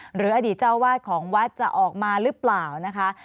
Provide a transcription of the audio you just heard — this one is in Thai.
หรืออดีตเจ้าวาดของวัดจะออกมาหรือเปล่านะคะ